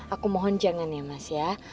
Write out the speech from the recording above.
aku mohon jangan ya mas ya